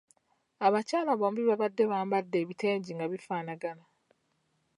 Abakyala bombi baabadde bambadde ebitengi nga bifaanagana.